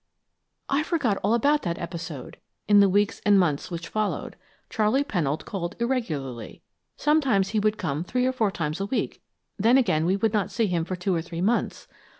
"I forgot all about that episode, in the weeks and months which followed. Charley Pennold called irregularly. Sometimes he would come three or four times a week, then again we would not see him for two or three months.